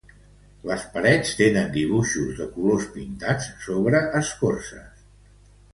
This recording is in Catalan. Les parets tenen dibuixos de colors pintats sobre escorces.